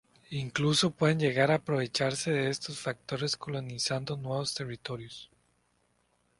Incluso, pueden llegar a aprovecharse de estos factores, colonizando nuevos territorios.